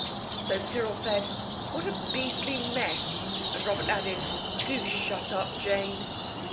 So Cyril said, "What a beastly mess!" And Robert added, "Do shut up, Jane!"